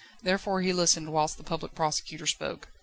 Therefore he listened whilst the Public Prosecutor spoke.